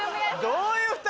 どういう２人？